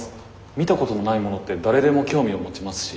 見たことのないものって誰でも興味を持ちますし。